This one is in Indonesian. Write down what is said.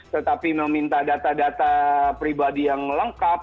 tetapi meminta data data pribadi yang lengkap